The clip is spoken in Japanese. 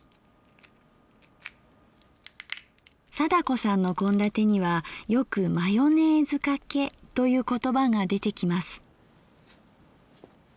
貞子さんの献立にはよく「マヨネーズかけ」という言葉が出てきます。